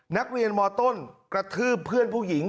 นักเรียนมต้นกระทืบเพื่อนผู้หญิง